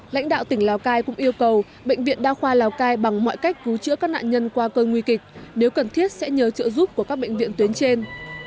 lãnh đạo tỉnh lào cai cũng yêu cầu bệnh viện đa khoa lào cai bằng mọi cách cứu chữa các nạn nhân qua cơn nguy kịch nếu cần thiết sẽ nhờ trợ giúp của các bệnh viện tuyến trên